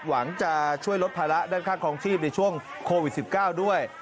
หวังจะช่วยลดภาระด้านค่าคลองชีพในช่วงโควิด๑๙ด้วย